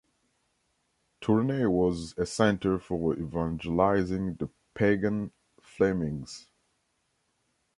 Tournai was a center for evangelizing the pagan Flemings.